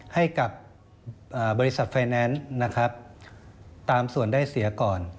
ให้กับบริษัทไฟแนนซ์นะครับตามส่วนได้เสียก่อน